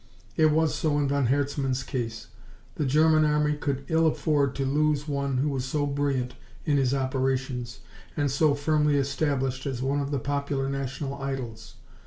It was so in von Herzmann's case. The German army could ill afford to lose one who was so brilliant in his operations and so firmly established as one of the popular national idols.